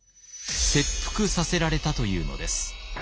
切腹させられたというのです。